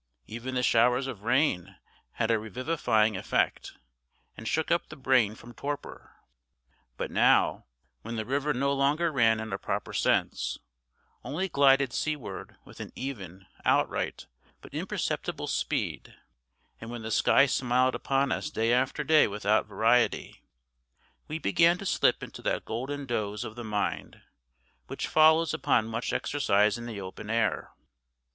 Even the showers of rain had a revivifying effect, and shook up the brain from torpor. But now, when the river no longer ran in a proper sense, only glided seaward with an even, outright, but imperceptible speed, and when the sky smiled upon us day after day without variety, we began to slip into that golden doze of the mind which follows upon much exercise in the open air.